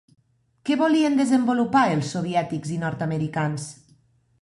Què volien desenvolupar els soviètics i nord-americans?